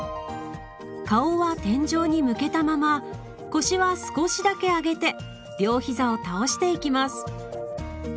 顔は天井に向けたまま腰は少しだけ上げて両ひざを倒していきます。